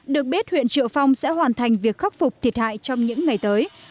được biết huyện triệu phong sẽ hoàn thành việc khắc phục thiệt hại trong những ngày tới